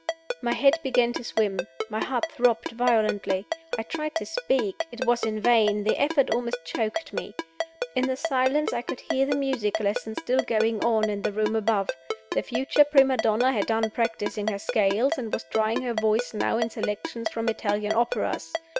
My head began to swim; my heart throbbed violently. I tried to speak; it was in vain; the effort almost choked me. In the silence I could hear the music lesson still going on in the room above. The future prima donna had done practicing her scales, and was trying her voice now in selections from Italian operas.